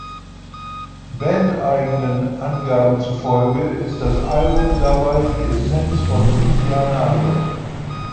Bandeigenen Angaben zufolge ist das Album dabei die Essenz von fünf Jahren Arbeit.